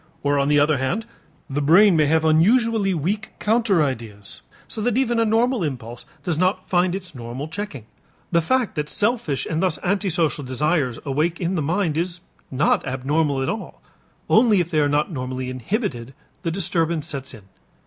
Or, on the other hand, the brain may have unusually weak counter ideas so that even a normal impulse does not find its normal checking. The fact that selfish and thus antisocial desires awake in the mind is not abnormal at all; only if they are not normally inhibited, the disturbance sets in.